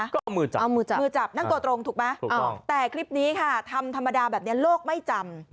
ก็มือจับนั่งโตตรงถูกไหมแต่คลิปนี้ค่ะทำธรรมดาแบบนี้โลกไม่จำ